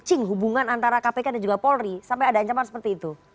mancing hubungan antara kpk dan juga polri sampai ada ancaman seperti itu